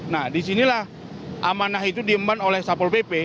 nah di sinilah amanah itu diemban oleh sapol pp